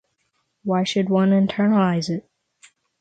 Why should one eternalize it?